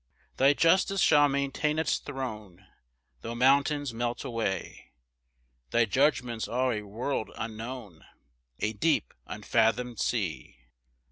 4 Thy justice shall maintain its throne, Tho' mountains melt away; Thy judgments are a world unknown, A deep unfathom'd sea.